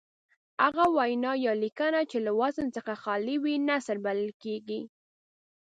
هغه وینا یا لیکنه چې له وزن څخه خالي وي نثر بلل کیږي.